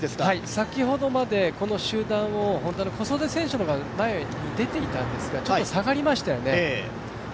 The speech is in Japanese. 先ほどまでこの集団をＨｏｎｄａの小袖選手が前に出ていたんですがちょっと下がりましたよね